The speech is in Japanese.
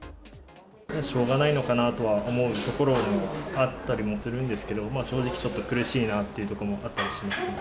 しょうがないのかなと思うところはあったりもするんですけど、正直ちょっと苦しいなっていうところもあったりしますね。